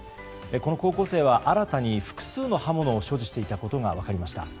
この高校生は新たに複数の刃物を所持していたことが分かりました。